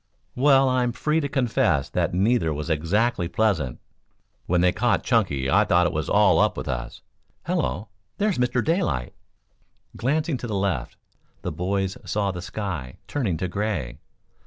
"Well, I'm free to confess that neither was exactly pleasant. When they caught Chunky I thought it was all up with us. Hello. There's Mr. Daylight." Glancing to the left the boys saw the sky turning to gray.